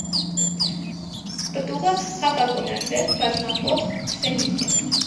Պտուղը հակակոնաձև, բազմակող սերմիկ է։